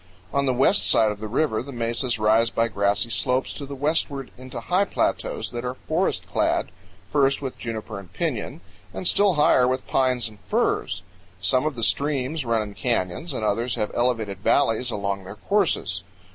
On the west side of the river the mesas rise by grassy slopes to the westward into high plateaus that are forest clad, first with juniper and piñon, and still higher with pines and firs. Some of the streams run in canyons and others have elevated valleys along their courses.